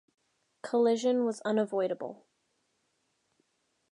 Collision was unavoidable.